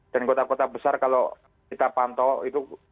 dan kota kota besar kalau kita pantau itu